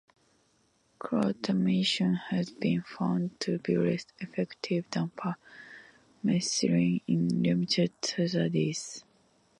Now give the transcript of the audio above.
Crotamiton has been found to be less effective than permethrin in limited studies.